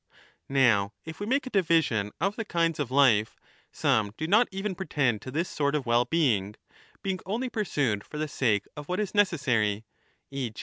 Now if we make a division of the kinds of life, some do not even pretend to this sort of well being, being only pur sued for the sake of what is necessary, e.